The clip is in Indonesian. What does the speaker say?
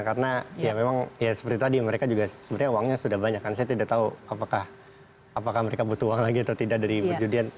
karena memang seperti tadi mereka juga sebenarnya uangnya sudah banyak kan saya tidak tahu apakah mereka butuh uang lagi atau tidak dari perjudian